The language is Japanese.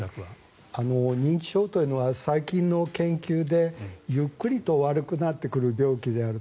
認知症というのは最近の研究でゆっくりと悪くなってくる病気であると。